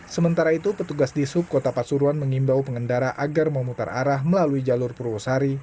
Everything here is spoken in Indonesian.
sementara itu petugas di sub kota pasuruan mengimbau pengendara agar memutar arah melalui jalur purwosari